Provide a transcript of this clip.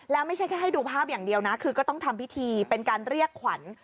แล้วไม่ใช่แค่ให้ดูภาพอย่างเดียวนะคือก็ต้องทำพิธีเป็นการเรียกขวัญ